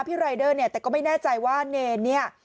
รายเดอร์เนี่ยแต่ก็ไม่แน่ใจว่าเนรเนี่ย